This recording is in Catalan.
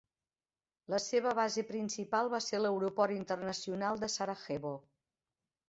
La seva base principal va ser l'aeroport internacional de Sarajevo.